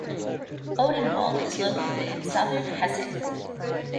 Odenwald is located in southern Hesse.